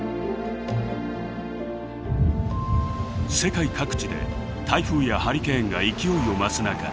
世界各地で台風やハリケーンが勢いを増す中